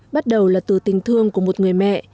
bắt đầu là từ tình thương của một người mẹ